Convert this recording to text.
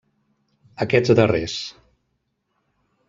Aquests darrers.